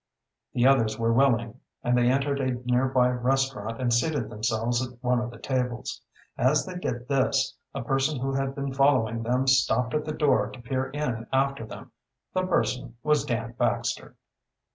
The others were willing, and they entered a nearby restaurant and seated themselves at one of the tables. As they did this, a person who had been following them stopped at the door to peer in after them. The person was Dan Baxter.